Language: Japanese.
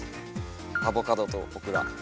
アボカドとオクラ。